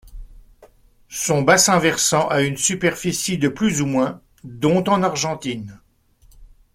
Son bassin versant a une superficie de plus ou moins dont en Argentine.